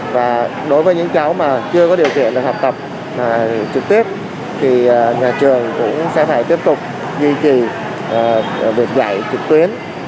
và đối với những cháu mà chưa có điều kiện học tập trực tiếp thì nhà trường cũng sẽ phải tiếp tục duy trì được dạy trực tuyến